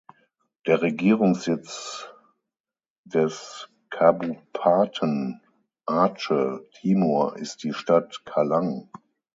Der Regierungssitz des Kabupaten Aceh Timur ist die Stadt Calang.